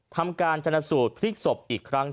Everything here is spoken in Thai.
ทำการชนสูตรพลิกศพอีกครั้ง